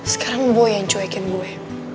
sekarang gue yang cuekin gue